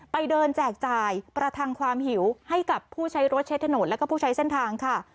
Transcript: ไปเดินแจกจ่ายประทังความหิวให้กับผู้ใช้รถใช้ถนนแล้วก็ผู้ใช้เส้นทางค่ะ